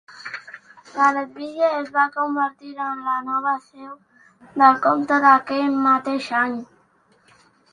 Gainesville es va convertir en la nova seu del comptat aquell mateix any.